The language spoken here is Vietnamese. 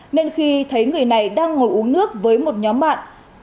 nên khi thấy người này đang ngồi uống nước với một nhóm bạn